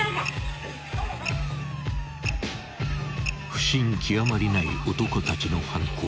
［不審極まりない男たちの犯行］